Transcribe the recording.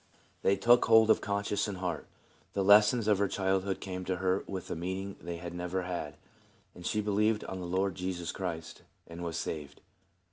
They took IO 74 TRANSFORMED. hold of conscience and heart; the lessons of her childhood came to her with a meaning they had never had, and she believed on the Lord Jesus Christ, and was saved.